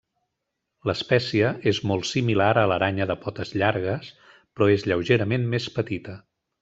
L'espècie és molt similar a l'aranya de potes llargues, però és lleugerament més petita.